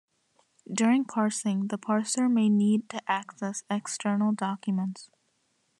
During parsing, the parser may need to access external documents.